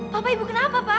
papa ibu kenapa papa